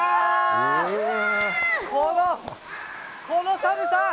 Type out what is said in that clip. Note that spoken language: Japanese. この寒さ。